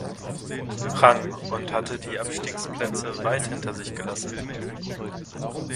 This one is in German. Rang und hatte die Abstiegsplätze weit hinter sich gelassen.